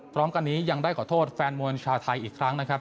พร้อมกันนี้ยังได้ขอโทษแฟนมวยชาวไทยอีกครั้งนะครับ